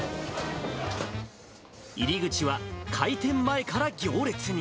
入り口は開店前から行列に。